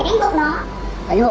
đánh hộ nó vào đâu